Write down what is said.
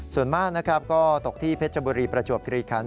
ส่วนมากก็ตกที่เพชรบุรีประจวบกรีกรรม